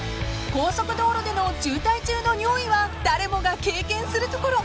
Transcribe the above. ［高速道路での渋滞中の尿意は誰もが経験するところ］